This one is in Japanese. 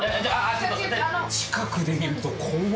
近くで見ると怖っ！